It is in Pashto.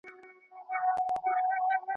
تیاره پر ختمېده ده څوک به ځي څوک به راځي